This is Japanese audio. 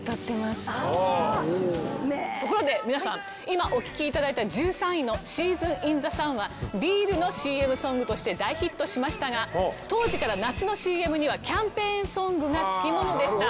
ところで皆さん今お聴き頂いた１３位の『シーズン・イン・ザ・サン』はビールのＣＭソングとして大ヒットしましたが当時から夏のＣＭにはキャンペーンソングが付きものでした。